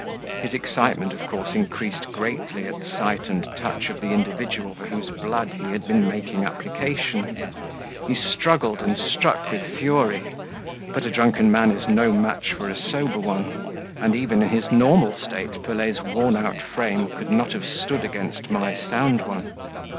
His excitement, of course, increased greatly at sight and touch of the individual for whose blood he had been making application: he struggled and struck with fury but a drunken man is no match for a sober one; and, even in his normal state, Pelet's worn out frame could not have stood against my sound one.